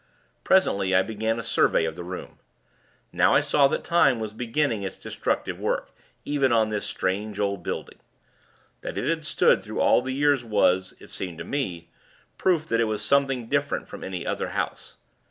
Presently, I began a survey of the room. Now, I saw that time was beginning its destructive work, even on this strange old building. That it had stood through all the years was, it seemed to me, proof that it was something different from any other house.